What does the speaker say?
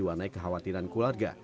ini adalah kesan kekhawatiran keluarga